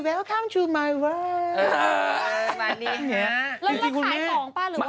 แล้วขายของน่ะหรือแหวะไม่ขาย